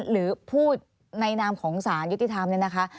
หรือพูดในนามของสารยุติธรรมเนี่ยนะคะ